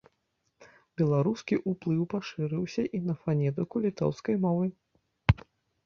Беларускі ўплыў пашырыўся і на фанетыку літоўскай мовы.